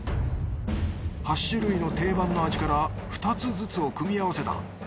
８種類の定番の味から２つずつを組み合わせた。